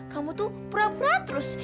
kamu tuh pura pura terus